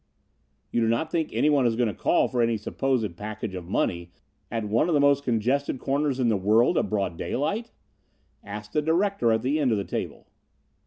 "You do not think anyone is going to call for any supposed package of money at one of the most congested corners in the world in broad daylight?" asked a director at the end of the table.